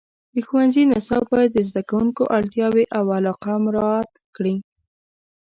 د ښوونځي نصاب باید د زده کوونکو اړتیاوې او علاقه مراعات کړي.